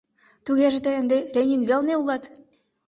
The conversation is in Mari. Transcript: — Тугеже тый ынде Ленин велне улат?